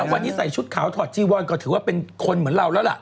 ว่านี้ใส่ชุดขาวถอดจี่วอร์เป็นคนเหมือนเราเนี่ย